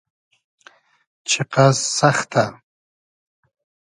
چیقئس سئختۂ